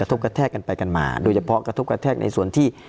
ทุกกระแทกกันไปกันมาโดยเฉพาะกระทบกระแทกในส่วนที่